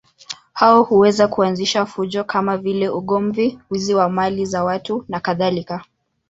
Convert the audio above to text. Hao huweza kuanzisha fujo kama vile ugomvi, wizi wa mali za watu nakadhalika.